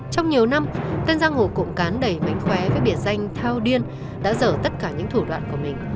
trong nhiều năm tân giang hồ cộng cán đẩy bánh khóe với biệt danh thao điên đã dở tất cả những thủ đoạn của mình